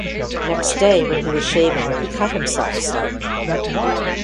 Next day, when he was shaving, he cut himself slightly.